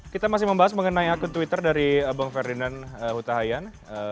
kita masih membahas mengenai akun twitter dari bang ferdinand hutahayan